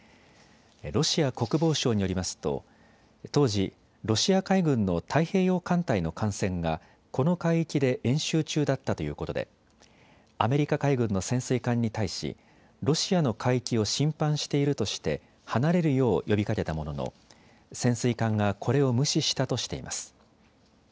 ロシア国防省によりますと当時、ロシア海軍の太平洋艦隊の艦船がこの海域で演習中だったということでアメリカ海軍の潜水艦に対しロシアの海域を侵犯しているとして離れるよう呼びかけたものの潜水艦がこれを無視したとしています。